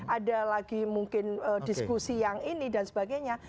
ada lagi mungkin diskusi yang ini dan sebagainya